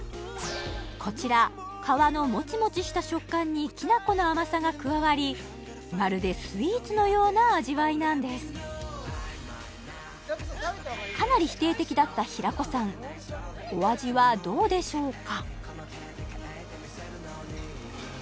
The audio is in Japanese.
こちら皮のもちもちした食感にきなこの甘さが加わりまるでスイーツのような味わいなんですかなりお味はどうでしょうか？